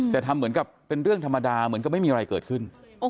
แต่ทำเหมือนกับเป็นเรื่องธรรมดาเหมือนกับไม่มีอะไรเกิดขึ้น